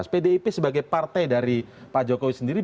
pdip sebagai partai dari pak jokowi sendiri